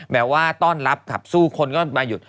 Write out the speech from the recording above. แบบว่าต้อนรับขับสู้คนก็มาหยุด